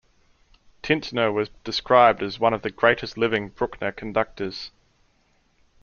Tintner was described as one of the greatest living Bruckner conductors.